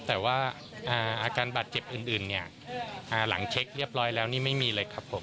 แต่ว่าอาการบาดเจ็บอื่นเนี่ยหลังเช็คเรียบร้อยแล้วนี่ไม่มีเลยครับผม